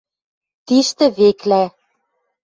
Тиштӹ Веклӓ